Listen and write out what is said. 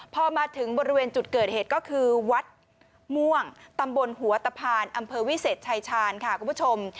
พอมาถึงบริเวณจุดเกิดเหตุก็คือวัดม่วงตำบลหัวตะพานอำเภอวิเศษชายชาญค่ะคุณผู้ชม